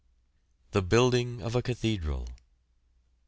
THE BUILDING OF A CATHEDRAL.